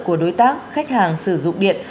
của đối tác khách hàng sử dụng điện